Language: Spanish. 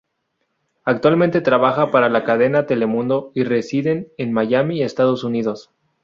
Actualmente trabaja para la cadena Telemundo y residen en Miami, Estados Unidos.